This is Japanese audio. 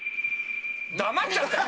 黙っちゃったよ！